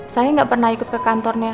saya nggak pernah ikut ke kantornya